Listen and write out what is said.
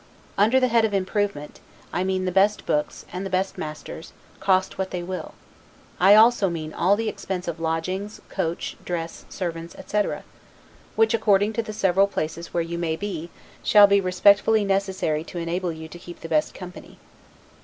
Under the head of improvement, I mean the best books, and the best masters, cost what they will; I also mean all the expense of lodgings, coach, dress; servants, etc., which, according to the several places where you may be, shall be respectively necessary to enable you to keep the best company.